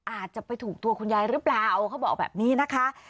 อาจจะไปถูกตัวคุณยายหรือเปล่าเขาบอกแบบนี้นะคะ